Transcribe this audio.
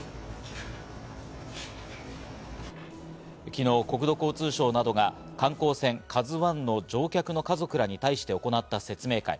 昨日、国土交通省などが観光船「ＫＡＺＵ１」の乗客の家族らに対して行った説明会。